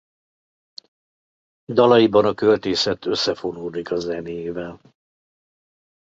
Dalaiban a költészet összefonódik a zenével.